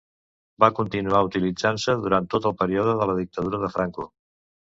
Va continuar utilitzant-se durant tot el període de la dictadura de Franco.